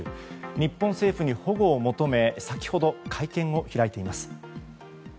日本政府に保護を求め先ほど、会見を開いています。